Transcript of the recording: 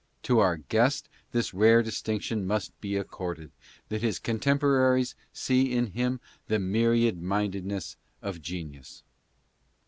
To our guest this rare distinction must be accorded, that his contemporaries see in him the myriad mindedness of genius.